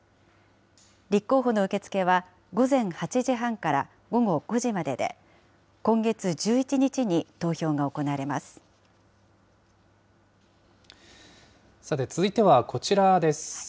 立候補の受け付けは午前８時半から午後５時までで、今月１１日にさて、続いてはこちらです。